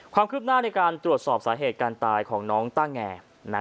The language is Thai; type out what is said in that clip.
ความคืบหน้าในการตรวจสอบสาเหตุการตายของน้องต้าแง